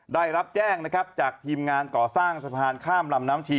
ได้รับแจ้งนะครับจากทีมงานก่อสร้างสะพานข้ามลำน้ำชี